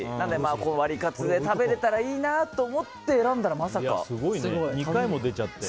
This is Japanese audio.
ワリカツ！で食べれたらいいなと思って選んだら２回も出ちゃって。